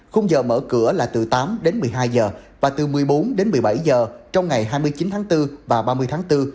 khung giờ mở cửa là từ tám đến một mươi hai giờ và từ một mươi bốn đến một mươi bảy giờ trong ngày hai mươi chín tháng bốn và ba mươi tháng bốn